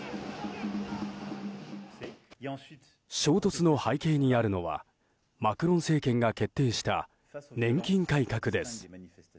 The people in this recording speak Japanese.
衝突の背景にあるのはマクロン政権が決定した年金改革です。